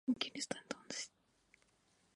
Sería el más leal colaborador de Almagro.